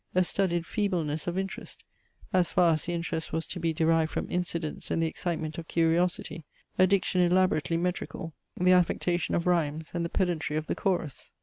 a studied feebleness of interest, (as far as the interest was to be derived from incidents and the excitement of curiosity); a diction elaborately metrical; the affectation of rhymes; and the pedantry of the chorus.